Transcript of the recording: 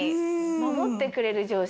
守ってくれる上司。